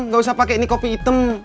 gak usah pakai ini kopi hitam